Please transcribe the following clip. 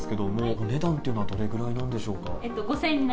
お値段っていうのはどれくらいなんでしょうか？